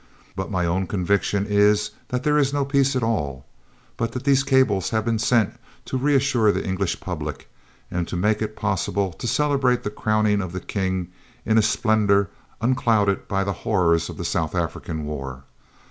But my own conviction is that there is no peace at all, but that these cables have been sent to reassure the English public, and to make it possible to celebrate the crowning of the King in a splendour unclouded by the horrors of the South African war.